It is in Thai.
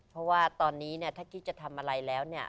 เพราะว่าตอนนี้เนี่ยถ้าคิดจะทำอะไรแล้วเนี่ย